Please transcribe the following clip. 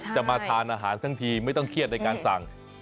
จะมาทานอาหารสักทีไม่ต้องเครียดในการสั่ง